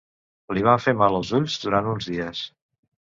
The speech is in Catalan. Li van fer mal els ulls durant uns dies.